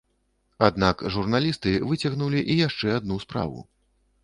Аднак журналісты выцягнулі і яшчэ адну справу.